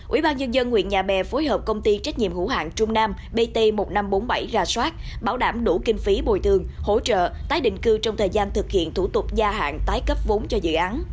ubnd huyện nhà bè phối hợp công ty trách nhiệm hữu hạng trung nam bt một nghìn năm trăm bốn mươi bảy ra soát bảo đảm đủ kinh phí bồi thường hỗ trợ tái định cư trong thời gian thực hiện thủ tục gia hạn tái cấp vốn cho dự án